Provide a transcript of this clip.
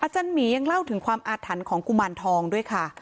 อาจารย์หมียังเล่าถึงความอาธรรมของกุมารทองด้วยค่ะ